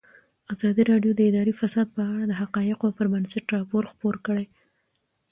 ازادي راډیو د اداري فساد په اړه د حقایقو پر بنسټ راپور خپور کړی.